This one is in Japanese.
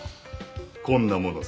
こんなものさ。